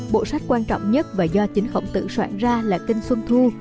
bộ sách quan trọng nhất và do chính khổng tử soạn ra là kênh xuân thu